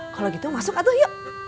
kalo gitu masuk atuh yuk